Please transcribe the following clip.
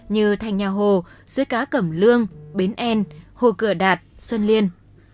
như thành nhà hồ suối cá cẩm lương bến en hồ cửa đạt xuân liên